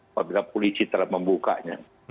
apabila polisi telah membukanya